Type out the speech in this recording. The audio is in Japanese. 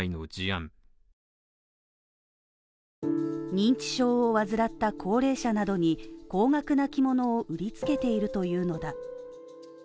認知症を患った高齢者などに高額な着物を売りつけているというのだ。